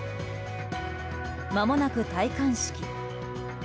まもなく戴冠式。